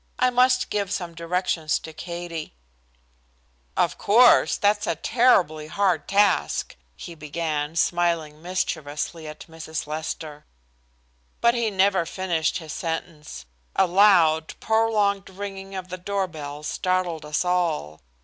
I must give some directions to Katie." "Of course that's a terribly hard task" he began, smiling mischievously at Mrs. Lester. But he never finished his sentence. A loud, prolonged ringing of the doorbell startled us all.